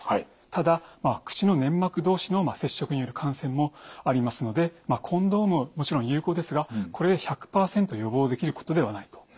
ただ口の粘膜同士の接触による感染もありますのでコンドームはもちろん有効ですがこれで１００％予防できることではないと。